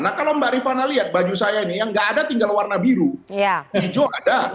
nah kalau mbak rifana lihat baju saya ini yang nggak ada tinggal warna biru hijau ada